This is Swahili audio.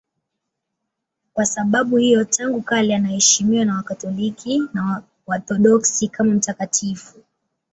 Kwa sababu hiyo tangu kale anaheshimiwa na Wakatoliki na Waorthodoksi kama mtakatifu.